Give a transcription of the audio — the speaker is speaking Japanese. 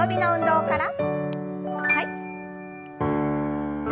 はい。